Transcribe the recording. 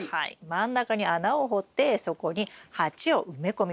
真ん中に穴を掘ってそこに鉢を埋め込みます。